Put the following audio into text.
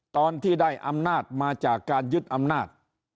ตอนที่ได้อำนาจมาจากการยึดอำนาจ